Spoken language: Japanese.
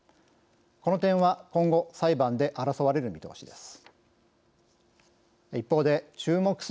この点は今後、裁判で争われる見通しです。